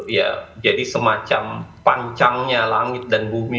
ya jadi semacam pancangnya langit dan bumi